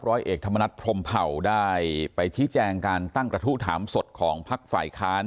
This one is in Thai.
ร้อยเอกธรรมนัฐพรมเผ่าได้ไปชี้แจงการตั้งกระทู้ถามสดของพักฝ่ายค้าน